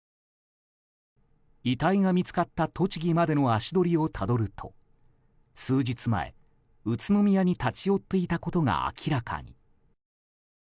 遺体が見つかった栃木までの足取りをたどると数日前、宇都宮に立ち寄っていたことが明らかに。